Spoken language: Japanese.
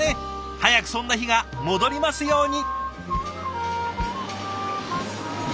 早くそんな日が戻りますように。